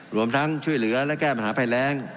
รวมทั้งช่วยเหลือและแก้ปัญหาภัยแรง